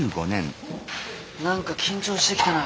なんか緊張してきたな。